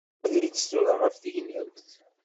Err-itt tura ɣef tegnawt!